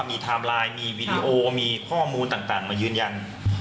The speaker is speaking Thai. มีไทม์ไลน์มีวีดีโอมีข้อมูลต่างมายืนยัน